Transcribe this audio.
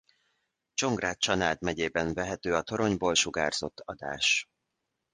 Csongrád-Csanád megyében vehető a toronyból sugárzott adás.